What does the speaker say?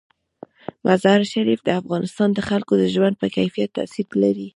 مزارشریف د افغانستان د خلکو د ژوند په کیفیت تاثیر لري.